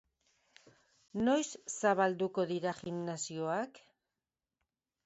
Noiz zabalduko dira gimnasioak?